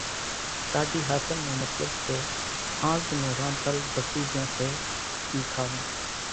ٽاڍي ۿاچم نون مطلٻ سي ۿانز نون رانڌل ڀسي جھون سي اِي کاوون